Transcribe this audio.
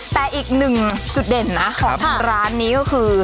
แต่อีกหนึ่งจุดเด่นนะของทางร้านนี้ก็คือ